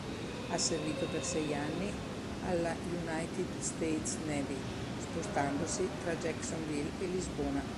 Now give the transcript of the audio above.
Ha servito per sei anni alla United States Navy, spostandosi tra Jacksonville e Lisbona.